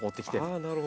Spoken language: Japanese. なるほど。